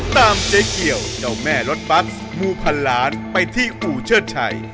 เจ๊เกี่ยวเจ้าแม่รถบัสมูพันล้านไปที่อู่เชิดชัย